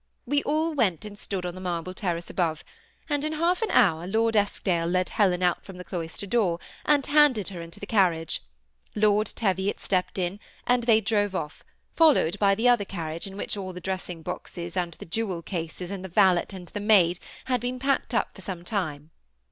We all went and stood on the marble terrace above ; and in half an hour Lord Eskdale led Helen out from the cloister door, and handed her into the carriage. Lord Teviot stepped in, and they drove oflP, followed by the other carriage, in which all the dressing boxes and the jewel cases and the valet and the maid had been packed up for some time.